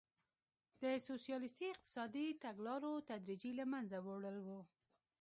د سوسیالیستي اقتصادي تګلارو تدریجي له منځه وړل وو.